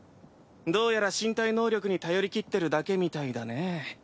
どうやら身体能力に頼りきってるだけみたいだね。